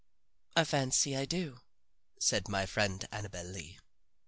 "I fancy I do," said my friend Annabel Lee.